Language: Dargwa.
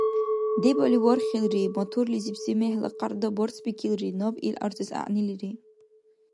Дебали вархилри: моторлизибси мегьла къярда барцбикилри, наб ил арзес гӀягӀнилири.